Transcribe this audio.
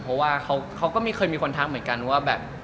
เพราะว่าเขาก็ไม่เคยมีคนทักเหมือนกันว่าแบบ